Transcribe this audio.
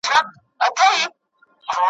څه د پاسه دوه زره وطنوال پکښي شهیدان سول ,